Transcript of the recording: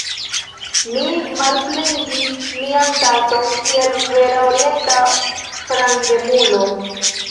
Mi malplenigis mian tason kiel vera Orienta frandemulo.